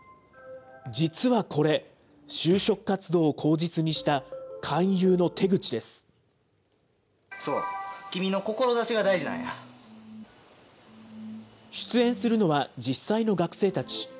実はこれ、就職活動を口実にした出演するのは、実際の学生たち。